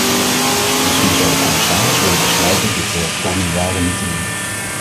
Misschien zou de commissaris willen besluiten dit de komende jaren niet te doen.